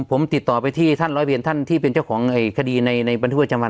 ผมติดต่อไปที่ท่านร้อยเวรท่านที่เป็นเจ้าของคดีในบันทึกประจำวัน